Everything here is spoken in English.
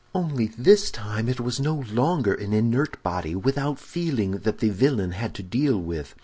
"Only this time it was no longer an inert body, without feeling, that the villain had to deal with.